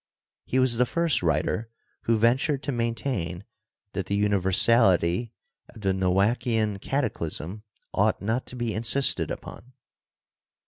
He was the first writer who ventured to maintain that the universality of the Noachian cataclysm ought not to be insisted upon.